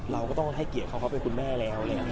เราก็ต้องให้เกียรติเขาเขาเป็นคุณแม่แล้ว